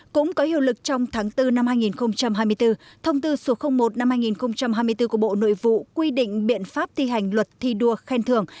cũng có hiệu lực trong tháng bốn năm hai nghìn hai mươi bốn thông tư số một năm hai nghìn hai mươi bốn của bộ nội vụ quy định biện pháp thi hành luật thi đua khen thường